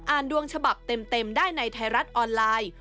ดวงฉบับเต็มได้ในไทยรัฐออนไลน์